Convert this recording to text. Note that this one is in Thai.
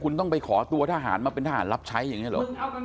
คุณต้องไปขอตัวทหารมาเป็นทหารรับใช้อย่างนี้เหรอ